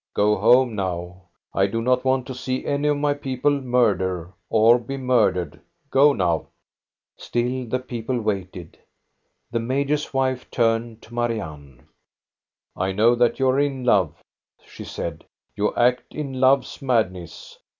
Go home now ! I do not want to see any of my people murder or be murdered. Go now !" Still the people waited. The major's wife turned to Marianne. " I know that you are in love," she said. " You act in love's madness.